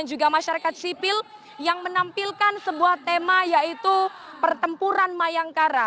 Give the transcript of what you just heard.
juga masyarakat sipil yang menampilkan sebuah tema yaitu pertempuran mayangkara